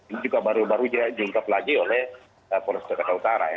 ini juga baru baru diungkap lagi oleh polres jakarta utara ya